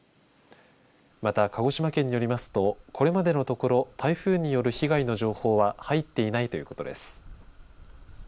また鹿児島県によりますとこれまでのところ台風による被害の情報は入っていないということです。